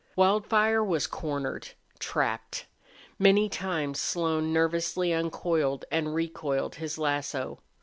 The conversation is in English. Wildfire was cornered, trapped. Many times Slone nervously uncoiled and recoiled his lasso.